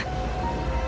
tapi kau adalah roh air